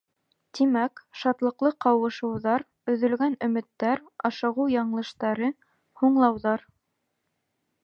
Тимәк, шатлыҡлы ҡауышыуҙар, өҙөлгән өмөттәр, ашығыу яңылыштары, һуңлауҙар...